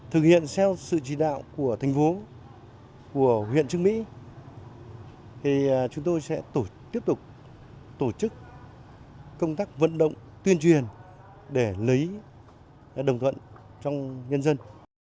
thực hiện theo sự chỉ đạo của thành phố của huyện trưng mỹ chúng tôi sẽ tiếp tục tổ chức công tác vận động tuyên truyền để lấy đồng thuận trong nhân dân